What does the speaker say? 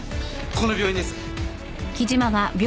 この病院です。